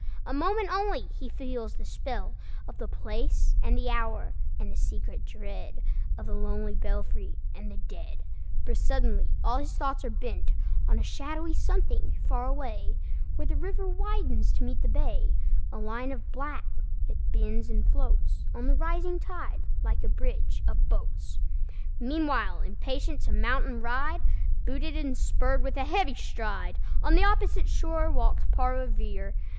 A moment only he feels the spell Of the place and the hour, and the secret dread Of the lonely belfry and the dead; For suddenly all his thoughts are bent On a shadowy something far away, Where the river widens to meet the bay, A line of black that bends and floats On the rising tide, like a bridge of boats. Meanwhile, impatient to mount and ride, Booted and spurred, with a heavy stride On the opposite shore walked Paul Revere.